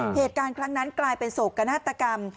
เหตุการณ์ครั้งนั้นกลายเป็นโศกนาฏกรรม